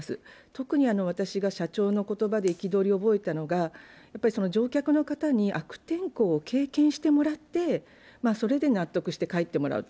特に私が社長の言葉で憤りを覚えたのが、乗客の方に悪天候を経験してもらって、それで納得して帰ってもらう。